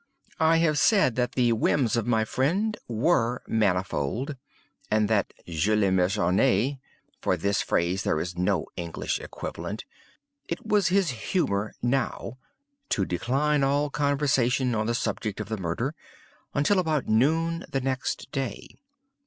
I have said that the whims of my friend were manifold, and that Je les ménageais:—for this phrase there is no English equivalent. It was his humor, now, to decline all conversation on the subject of the murder, until about noon the next day.